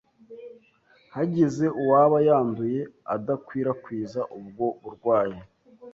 hagize uwaba yanduye adakwirakwiza ubwo burwayi.